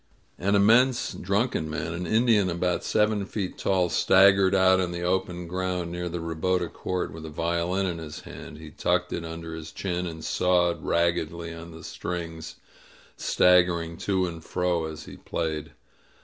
An inmiense drunken man — an Indian about seven feet tall — staggered out in the open ground near the ribota court with a violin in his hand. He tucked it under his chin and sawed raggedly on the strings, stag gering to and fro as he played.